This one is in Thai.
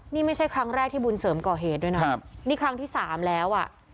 นี่ไม่ใช่ครั้งแรกที่บุญเสริมก่อเหตุด้วยนะครับนี่ครั้งที่สามแล้วอ่ะ